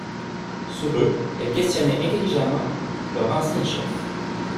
Sur eux, elle questionnait intelligemment leur ancien chef.